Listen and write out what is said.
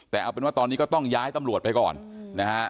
แต่เอาเป็นว่าตอนนี้ก็ต้องย้ายตำรวจไปก่อนนะฮะ